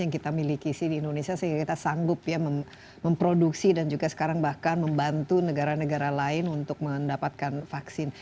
yang kita miliki sih di indonesia sehingga kita sanggup ya memproduksi dan juga sekarang bahkan membantu negara negara lain untuk mendapatkan vaksin